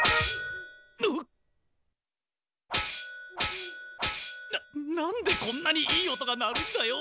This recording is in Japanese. ななんでこんなにいい音が鳴るんだよ！？